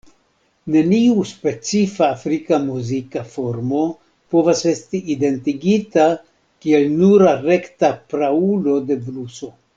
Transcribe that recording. Neniu specifa afrika muzika formo povas esti identigita kiel nura rekta praulo de bluso.